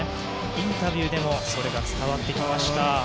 インタビューでもそれが伝わってきました。